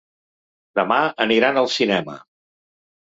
Demà aniran al cinema.